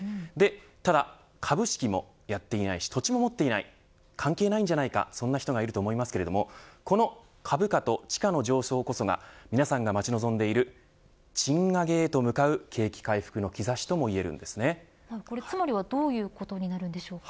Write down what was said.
ただ株式もやっていないし土地も持っていない関係ないんじゃないかそんな人がいると思いますけれどこの株価と、地価の上昇こそが皆さんが待ち望んでいる賃上げへと向かうつまりは、どういうことになるんでしょうか。